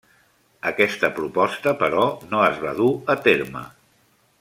Aquesta proposta, però, no es va dur a terme.